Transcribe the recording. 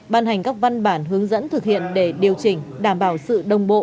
ban hành các văn bản hướng dẫn thực hiện để điều chỉnh đảm bảo sự đồng bộ